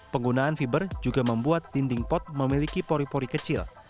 penggunaan fiber juga membuat dinding pot memiliki pori pori kecil